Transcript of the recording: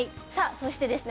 そしてですね